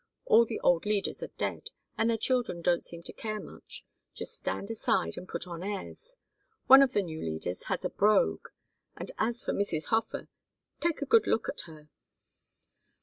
All the old leaders are dead, and their children don't seem to care much just stand aside and put on airs. One of the new leaders has a brogue. And as for Mrs. Hofer take a good look at her."